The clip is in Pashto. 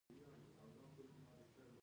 سانتیاګو په حقیقت پوهیږي.